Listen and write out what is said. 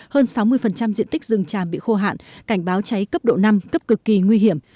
hơn sáu mươi diện tích rừng tràm bị khô hạn cảnh báo cháy cấp độ năm cấp cực kỳ nguy hiểm